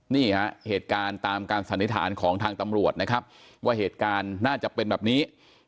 นี่ฮะเหตุการณ์ตามการสันนิษฐานของทางตำรวจนะครับว่าเหตุการณ์น่าจะเป็นแบบนี้